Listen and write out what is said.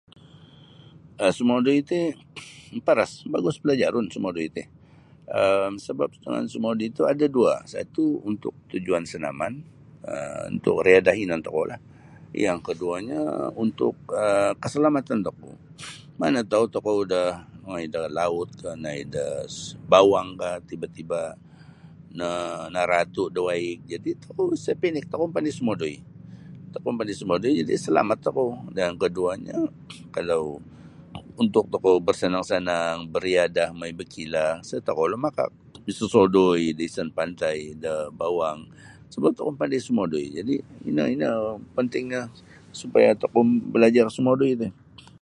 um sumodoi ti maparas bagus palajarun sumodoi ti um sebap dengan sumodoi ti ada dua' satu' untuk tujuan senaman um untuk riadah inan tokoulah yang koduonyo untuk um keselamatan tokou mana tau' tokou do nongoi da lautkah noi da bawangkah tiba-tiba no naratu' da waig jadi' tokou isa pinik tokou mapandai sumodoi tokou mapandai sumodoi jadi' selamat tokou yang koduonyo kalau untuk tokou basanang-sanang bariadah mongoi bakilah isa' tokou lumakak misosodoi da isan pantai do bawang sebap tokou mapandai sumodoi ino ino pentingnyo supaya tokou balajar sumodoi ti.